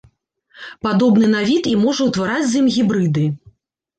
Падобны на від і можа ўтвараць з ім гібрыды.